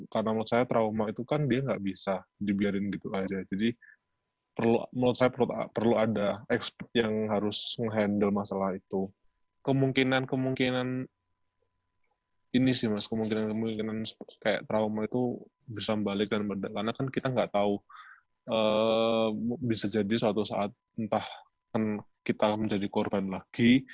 kita nggak tahu bisa jadi suatu saat entah kita menjadi korban lagi